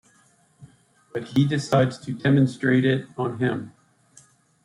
But he decides to demonstrate it on him.